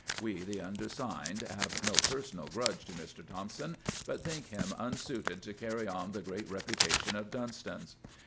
We, the undersigned, have no personal grudge to Mr. Thompson, but think him unsuited to carry on the great reputation of Dunston's.